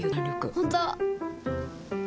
本当？